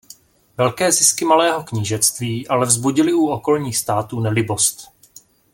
Velké zisky malého knížectví ale vzbudily u okolních států nelibost.